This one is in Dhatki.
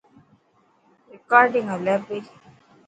رڪارڊنگ هلي پئي.